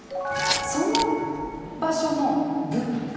その場所の物価。